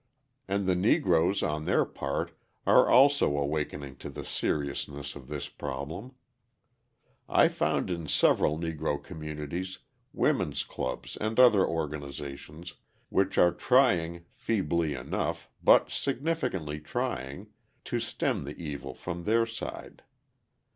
And the Negroes on their part are also awakening to the seriousness of this problem. I found in several Negro communities women's clubs and other organisations which are trying, feebly enough, but significantly trying, to stem the evil from their side.